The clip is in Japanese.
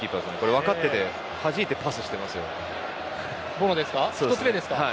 分かっててはじいてパスしてますよ。